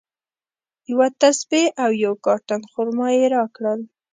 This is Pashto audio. یوه تسبیج او یو کارټن خرما یې راکړل.